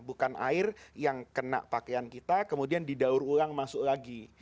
bukan air yang kena pakaian kita kemudian didaur ulang masuk lagi